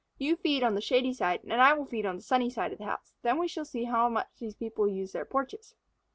You feed on the shady side and I will feed on the sunny side of the house. Then we shall see how much these people use their porches."